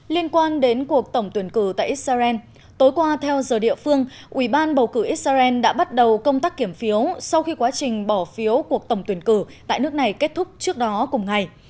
liên quan đến cuộc tổng tuyển cử tại israel tối qua theo giờ địa phương ủy ban bầu cử israel đã bắt đầu công tác kiểm phiếu sau khi quá trình bỏ phiếu cuộc tổng tuyển cử tại nước này kết thúc trước đó cùng ngày